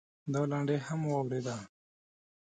دا لنډۍ هم واورېده.